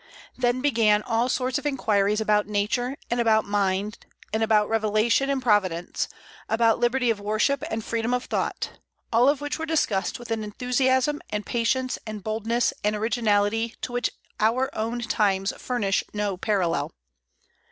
Then began all sorts of inquiries about Nature and about mind, about revelation and Providence, about liberty of worship and freedom of thought; all of which were discussed with an enthusiasm and patience and boldness and originality to which our own times furnish no parallel.